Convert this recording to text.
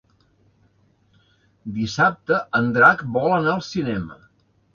Dissabte en Drac vol anar al cinema.